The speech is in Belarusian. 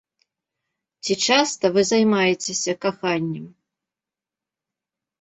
Ці часта вы займаецеся каханнем?